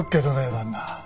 旦那